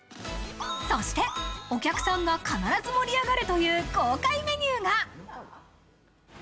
そして、お客さんが必ず盛り上がるという豪快メニューが。